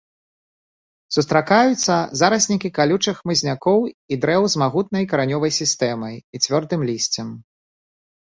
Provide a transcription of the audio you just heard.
Сустракаюцца зараснікі калючых хмызнякоў і дрэў з магутнай каранёвай сістэмай і цвёрдым лісцем.